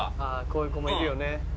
こういう子もいるよね。